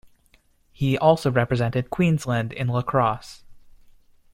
He also represented Queensland in lacrosse.